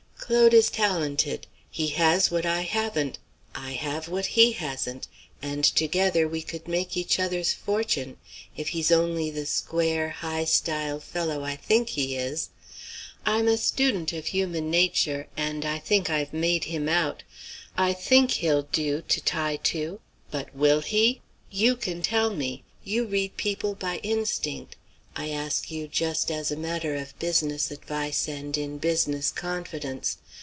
"Claude is talented. He has what I haven't; I have what he hasn't, and together we could make each other's fortunes, if he's only the square, high style fellow I think he is. I'm a student of human nature, and I think I've made him out. I think he'll do to tie to. But will he? You can tell me. You read people by instinct. I ask you just as a matter of business advice and in business confidence.